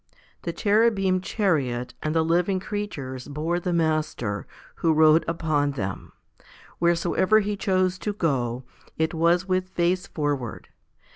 The Cherubim chariot J and the living creatures bore the Master who rode upon them. Wheresoever He chose to go, it was with face forward.